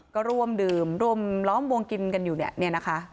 ก็ร่วมดื่มร่วมล้อมวงกินกันอยู่เนี่ยเนี่ยนะคะ